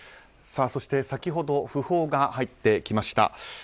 そして、先ほど訃報が入ってきました。